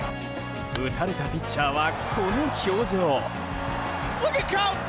打たれたピッチャーはこの表情。